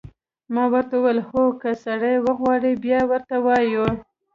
ما ورته وویل: هو، که سړی وغواړي، بیا ورته وایي.